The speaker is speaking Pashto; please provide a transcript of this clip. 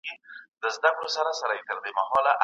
لکه ما چي خپل سکه وروڼه وژلي